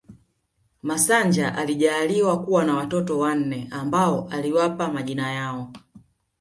Masanja alijaaliwa kuwa na watoto wanne ambao aliwapa majina yao